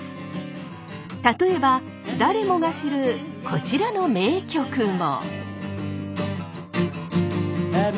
例えば誰もが知るこちらの名曲も。